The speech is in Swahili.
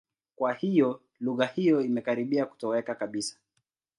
Kwa hiyo, lugha hiyo imekaribia kutoweka kabisa.